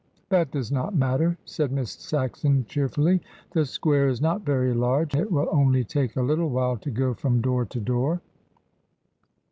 "That does not matter," said Miss Saxon cheerfully. "The square is not very large; it will only take a little while to go from door to door."